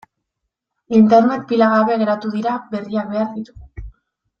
Linternak pila gabe geratu dira, berriak behar ditugu.